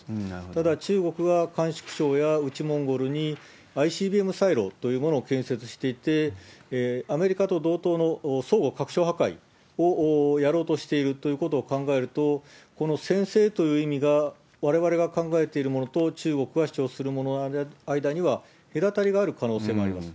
ただ、中国は甘粛省や内モンゴルにＩＣＢＭサイロというものを建設していて、アメリカと同等の相互かくしょう破壊をやろうとしているということを考えると、この先制という意味が、われわれが考えているものと、中国が主張する者の間には、隔たりがある可能性もあります。